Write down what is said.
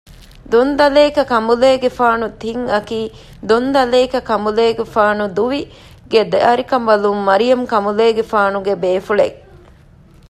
ދޮން ދަލޭކަ ކަނބުލޭގެފާނު ތިން އަކީ ދޮން ދަލޭކަ ކަނބުލޭގެފާނު ދުވި ގެ ދަރިކަނބަލުން މަރިޔަމް ކަނބުލޭގެފާނުގެ ބޭފުޅެއް